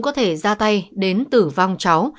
có thể ra tay đến tử vong cháu